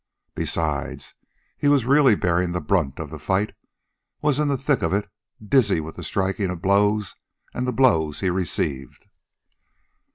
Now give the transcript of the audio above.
Besides, he was really bearing the brunt of the fight, was in the thick of it, dizzy with the striking of blows and the blows he received.